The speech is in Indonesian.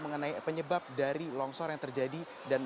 mengenai penyebab dari longsor yang terjadi